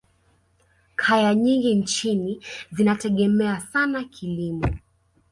kaya nyingi nchini zinategemea sana kilimo